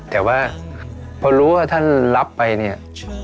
แต่ว่าพอรู้ว่าท่านรับไปเนี่ย